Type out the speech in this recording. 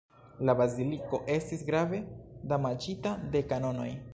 La baziliko estis grave damaĝita de kanonoj.